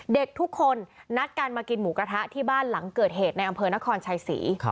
เด็กทุกคนนัดกันมากินหมูกระทะที่บ้านหลังเกิดเหตุในอำเภอนครชัยศรี